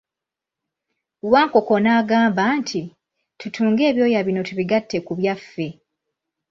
Wankoko n'agamba nti, tutunge ebyoya bino tubigatte ku byaffe.